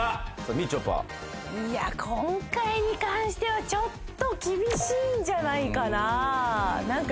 みちょぱいや今回に関してはちょっと厳しいんじゃないかな